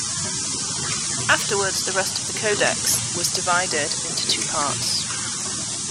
Afterwards the rest of the codex was divided in two parts.